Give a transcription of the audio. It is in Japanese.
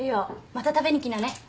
また食べに来なね。